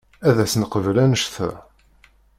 Ad as-neqbel annect-a.